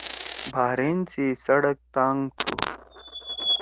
بحرین سی سڑک تانگ تُھو۔